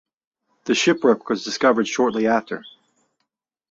The shipwreck was discovered shortly after.